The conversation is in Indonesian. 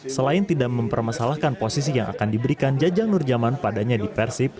selain tidak mempermasalahkan posisi yang akan diberikan jajang nurjaman padanya di persib